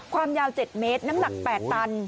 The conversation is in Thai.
ความยาว๗เมตรน้ำหนัก๘ตัน